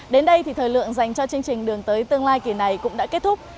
đến đây thì thời lượng dành cho chương trình đường tới tương lai kỳ này cũng đã kết thúc